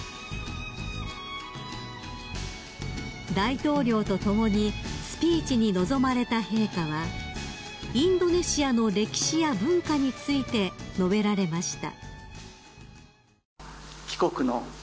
［大統領と共にスピーチに臨まれた陛下はインドネシアの歴史や文化について述べられました］